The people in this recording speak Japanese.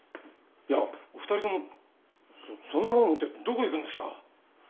いやお２人ともそんなもの持ってどこ行くんですか？